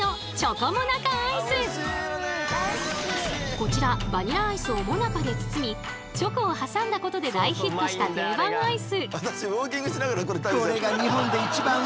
こちらバニラアイスをモナカで包みチョコを挟んだことで大ヒットした定番アイス。